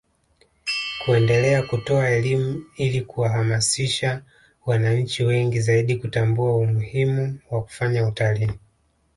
kuendelea kutoa elimu ili kuwahamasisha wananchi wengi zaidi kutambua umuhimu wa kufanya utalii